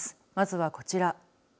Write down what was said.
まずは、こちら。